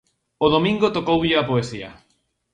O domingo tocoulle á poesía.